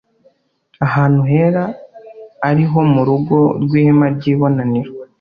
ahantu hera ari ho mu rugo rw’ihema ry’ibonaniro